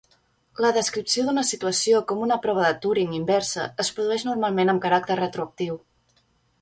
La descripció d'una situació com una "prova de Turing inversa" es produeix normalment amb caràcter retroactiu.